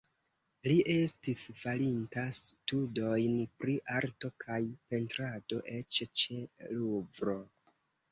Li estis farinta studojn pri arto kaj pentrado eĉ ĉe Luvro.